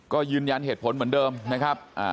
ก็ยืนยันเหตุผลเหมือนเดิมนะครับ